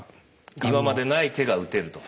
今までにない手が打てると。